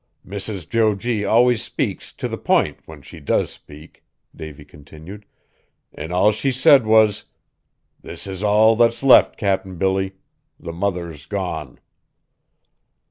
Mrs. Jo G. always speaks to the p'int when she does speak," Davy continued, "an' all she said was, 'This is all that's left, Cap'n Billy the mother's gone!'"